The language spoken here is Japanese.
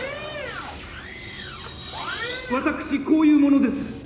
私こういう者です。